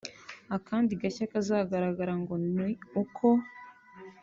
Akandi gashya kazagaragara ngo ni uko